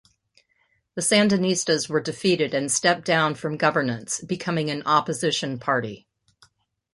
The Sandinistas were defeated and stepped down from governance, becoming an opposition party.